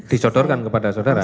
disodorkan kepada saudara